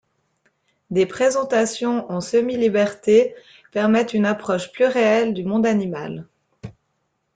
Des présentations en semi-liberté permettent une approche plus réelle du monde animal.